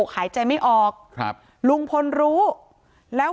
การแก้เคล็ดบางอย่างแค่นั้นเอง